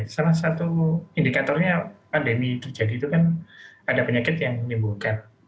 salah satu indikatornya pandemi terjadi itu kan ada penyakit yang menimbulkan